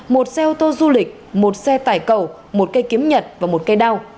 một xe ô tô du lịch một xe tải cầu một cây kiếm nhật và một cây đao